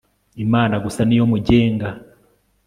imana gusa niyo mugenga